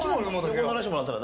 横ならしてもらったら？